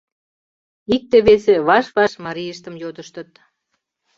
Икте-весе ваш-ваш марийыштым йодыштыт.